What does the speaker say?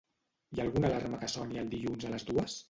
Hi ha alguna alarma que soni el dilluns a les dues?